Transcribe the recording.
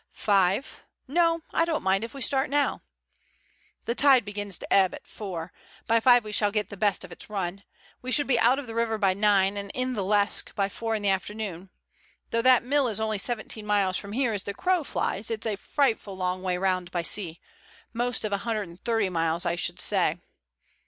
"Five? No, I don't mind if we start now." "The tide begins to ebb at four. By five we shall get the best of its run. We should be out of the river by nine, and in the Lesque by four in the afternoon. Though that mill is only seventeen miles from here as the crow flies, it's a frightful long way round by sea, most of 130 miles, I should say."